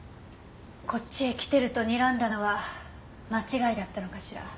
こっちへ来てるとにらんだのは間違いだったのかしら。